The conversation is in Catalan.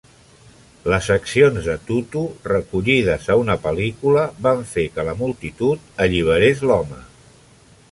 Les accions de Tutu, recollides a una pel·lícula, van fer que la multitud alliberés l'home.